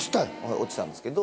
落ちたんですけど。